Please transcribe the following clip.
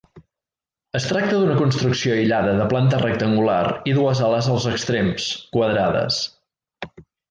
Es tracta d'una construcció aïllada de planta rectangular i dues ales als extrems, quadrades.